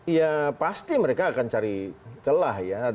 ya pasti mereka akan cari celah ya